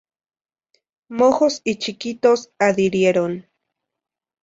Mojos y Chiquitos adhirieron.